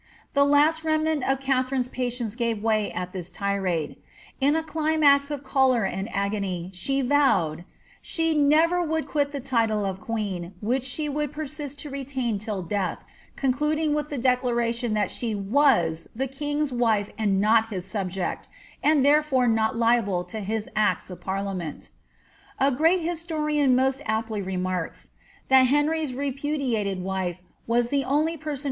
The last remnant of Katharine's patience gave way at this tirade ; in a cli max of choler and agony, she vowed ^^ she never would quit the title of qoeen, which she would persist to retain till death, concluding with the deelflinUioa that she loas the king's wife and not his subject, and Iberefore not liable to his acts of parliament" A great historian ' most •pcly remarks *^ that Henry's repudiated wife was the only person who 'Harpsfleld; likewise Burnet, vol.